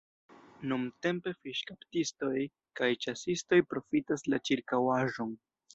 Nuntempe fiŝkaptistoj kaj ĉasistoj profitas la ĉirkaŭaĵon.